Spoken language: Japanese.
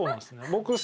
僕。